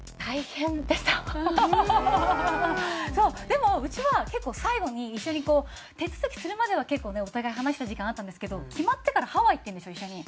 でもうちは結構最後に一緒にこう手続きするまでは結構ねお互い話した時間あったんですけど決まってからハワイ行ってるんですよ一緒に。